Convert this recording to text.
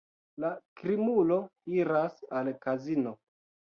La krimulo iras al kazino.